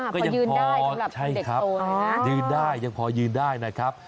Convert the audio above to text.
ค่ะพอยืนได้สำหรับเด็กโตหน่อยนะฮะใช่ครับยืนได้ยังพอยืนได้นะครับ